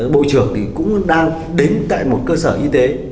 bộ trưởng cũng đang đến tại một cơ sở y tế